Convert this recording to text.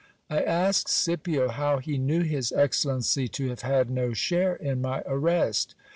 I asked Scipio how he knew his excellency to have had no share in my arrest.